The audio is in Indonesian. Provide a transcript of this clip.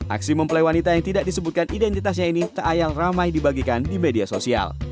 aksi mempelai wanita yang tidak disebutkan identitasnya ini tak ayal ramai dibagikan di media sosial